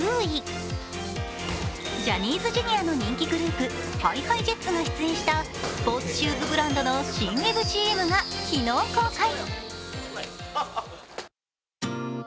ジャニーズＪｒ．の人気グループ、ＨｉＨｉＪｅｔｓが出演した出演したスポーツシューズブランドの新ウェブＣＭが昨日公開。